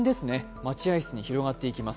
待合室に広がっていきます。